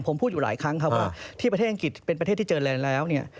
ผมพูดอยู่หลายครั้งครับว่าที่ประเทศอังกฤษเป็นประเทศที่เจอแลนด์แล้วเนี่ย